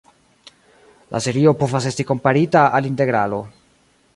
La serio povas esti komparita al integralo.